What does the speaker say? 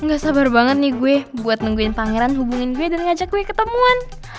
gak sabar banget nih gue buat nungguin pangeran hubungin gue dan ngajak gue ketemuan